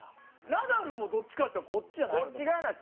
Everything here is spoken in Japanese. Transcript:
ナダルもどっちかっていったらこっちやないの？